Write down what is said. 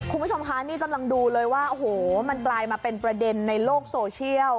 คุณผู้ชมคะนี่กำลังดูเลยว่าโอ้โหมันกลายมาเป็นประเด็นในโลกโซเชียล